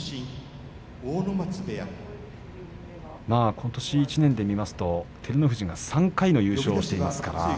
ことし１年で見ますと照ノ富士が３回の優勝をしています。